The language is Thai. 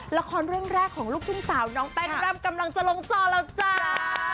ละครเรื่องแรกของลูกทุ่งสาวน้องแป้งร่ำกำลังจะลงจอแล้วจ้า